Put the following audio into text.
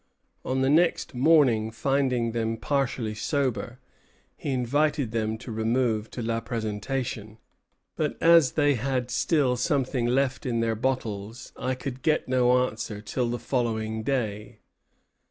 On the next morning, finding them partially sober, he invited them to remove to La Présentation; "but as they had still something left in their bottles, I could get no answer till the following day."